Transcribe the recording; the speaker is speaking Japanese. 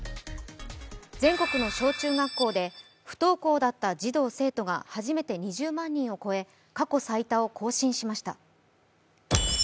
全国の小中学校で不登校だった児童・生徒が初めて２０万人を超え、過去最多を更新しました。